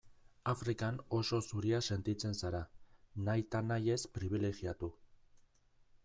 Afrikan oso zuria sentitzen zara, nahi eta nahi ez pribilegiatu.